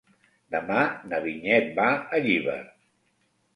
Demà na Vinyet va a Llíber.